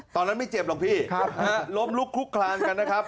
ไม่เจ็บหรอกพี่ล้มลุกลุกคลานกันนะครับ